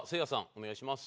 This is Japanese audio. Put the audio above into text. お願いします。